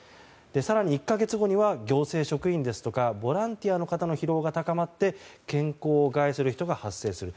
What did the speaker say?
更に１か月後には行政職員ですとかボランティアの方の疲労が高まって健康を害する人が発生する。